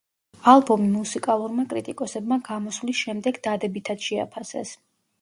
ალბომი მუსიკალურმა კრიტიკოსებმა გამოსვლის შემდეგ დადებითად შეაფასეს.